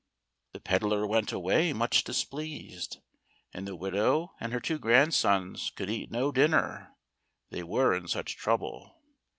The pedlar went away much displeased, and the widow and her two grandsons could eat no dinner, they were in such trouble.